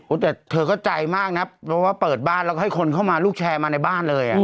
แต่เธอก็ใจมากนะเพราะว่าเปิดบ้านแล้วก็ให้คนเข้ามาลูกแชร์มาในบ้านเลย